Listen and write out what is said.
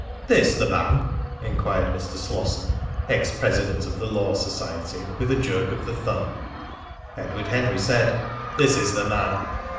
"This the man?" enquired Mr. Slosson, ex president of the Law Society, with a jerk of the thumb. Edward Henry said: "This is the man."